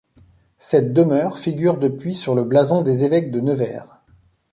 Cette demeure figure depuis sur le blason des évêques de Nevers.